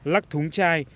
lắc thúng chai